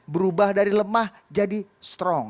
berubah dari lemah jadi strong